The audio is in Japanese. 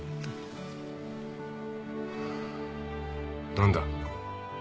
何だ。